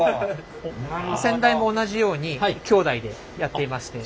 先代も同じように兄弟でやっていまして。